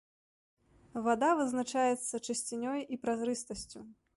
Вада вызначаецца чысцінёй і празрыстасцю.